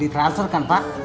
ditransfer kan pak